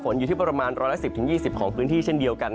ฝนอยู่ที่ประมาณร้อนละ๑๐๒๐วิธีของพื้นที่เช่นเดียวกัน